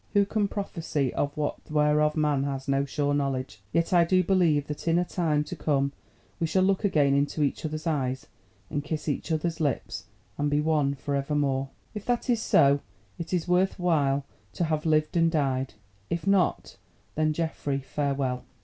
Who can prophesy of that whereof man has no sure knowledge? Yet I do believe that in a time to come we shall look again into each other's eyes, and kiss each other's lips, and be one for evermore. If this is so, it is worth while to have lived and died; if not, then, Geoffrey, farewell!